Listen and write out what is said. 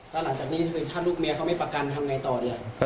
หลังจากนี้ถ้าลูกเมย์ไม่ประกันทำอย่างไรต่อ